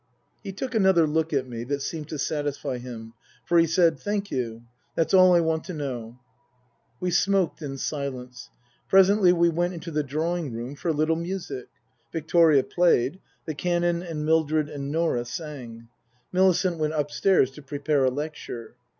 He took another look at me that seemed to satisfy him, for he said :" Thank you. That's all I want to know." We smoked in silence. Presently we went into the drawing room "for a little music." Victoria played. The Canon and Mildred and Norah sang. Millicent went upstairs to prepare a lecture.